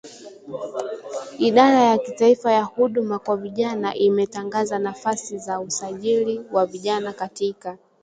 Idara ya kitaifa ya huduma kwa vijana imetangaza nafasi za usajili wa vijana katika